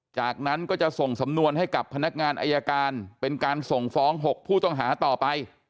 จากนั้นก็จะส่งสำนวนให้กับพนักงานอายการเป็นการส่งฟ้อง๖ผู้ต้องหาต่อไป